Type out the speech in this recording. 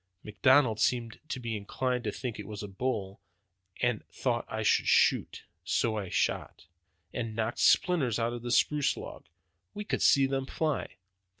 McDonald seemed to be inclined to think that it was a bull and that I ought to shoot. So I shot, and knocked splinters out of the spruce log. We could see them fly.